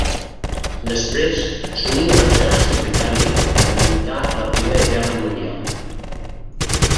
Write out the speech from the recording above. Després s'uní a l'exèrcit britànic per a lluitar a la Primera Guerra Mundial.